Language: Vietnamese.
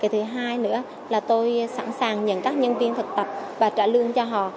thứ hai nữa là tôi sẵn sàng nhận các nhân viên thực tập và trả lương cho họ